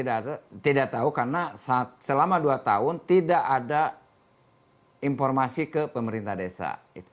saya tidak tahu karena selama dua tahun tidak ada informasi ke pemerintah desa